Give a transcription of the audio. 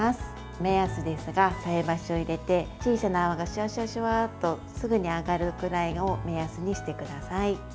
目安ですが、菜箸を入れて小さな泡がシュワシュワとすぐに上がるくらいを目安にしてください。